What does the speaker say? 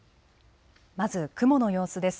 まず雲の様子です。